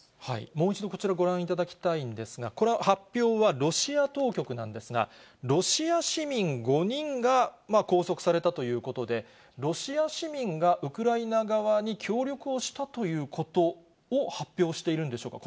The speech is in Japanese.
もう一度、こちらご覧いただきたいのですが、これは、発表はロシア当局なんですが、ロシア市民５人が拘束されたということで、ロシア市民がウクライナ側に協力をしたということを発表しているんでしょうか。